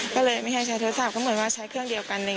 ก็เลยไม่ให้ใช้โทรศัพท์ก็เหมือนว่าใช้เครื่องเดียวกัน